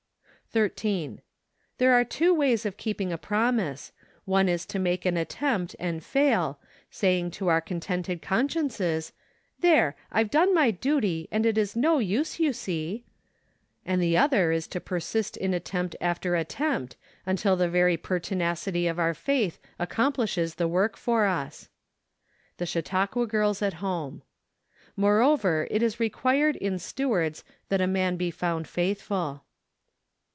102 SEPTEMBER. 13. There are two ways of keeping a promise; one is to make an attempt and fail, saying to our contented consciences, "There! I've done my duty, and it is no use, you see "; and the other is to persist in attempt after attempt, until the very per¬ tinacity of our faith accomplishes the work for us. The Chautauqua Girls at Horae. " Moreover it is required in stewards , that a man be found faithful."